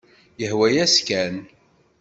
Yehwa-yas kan.